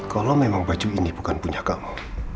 kalau memang baju ini bukan punya kamu